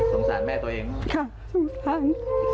ค่ะช่างสาน